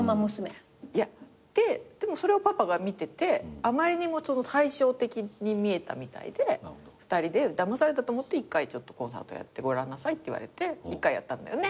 でもそれをパパが見ててあまりにも対照的に見えたみたいで２人でだまされたと思って一回コンサートやってごらんなさいって言われて一回やったんだよね。